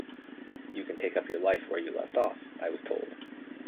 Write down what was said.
“You can take up your life where you left off,” I was told.